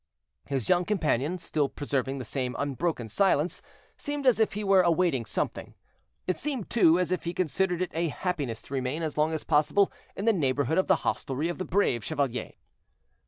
His young companion, still preserving the same unbroken silence, seemed as if he were awaiting something; it seemed, too, as if he considered it a happiness to remain as long as possible in the neighborhood of the hostelry of the "Brave Chevalier."